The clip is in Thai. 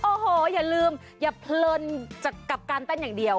โอ้โหอย่าลืมอย่าเพลินกับการเต้นอย่างเดียว